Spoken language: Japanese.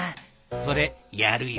それやるよ。